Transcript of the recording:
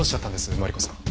マリコさん。